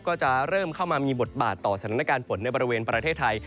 ก็จะเริ่มเข้ามามีบทบาทต่อสถานการณ์ฝนในบริเวณประเทศไทย